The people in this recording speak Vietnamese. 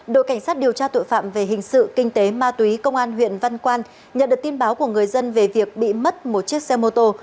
đội cảnh sát điều tra tội phạm về hình sự kinh tế ma túy công an huyện văn quan nhận được tin báo của người dân về việc bị mất một chiếc xe mô tô